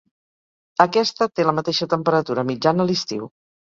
Aquesta té la mateixa temperatura mitjana a l'estiu.